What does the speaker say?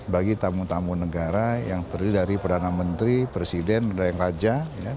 bagi tamu tamu negara yang terdiri dari perdana menteri presiden perda yang raja